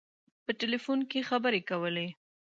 په ټلفون کې خبري کولې.